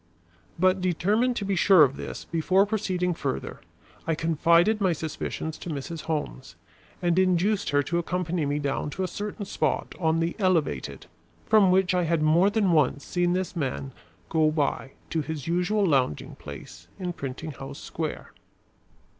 But determined to be sure of this before proceeding further, I confided my suspicions to Mrs. Holmes, and induced her to accompany me down to a certain spot on the "Elevated" from which I had more than once seen this man go by to his usual lounging place in Printing house Square.